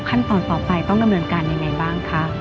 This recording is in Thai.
ขั้นตอนต่อไปต้องดำเนินการยังไงบ้างคะ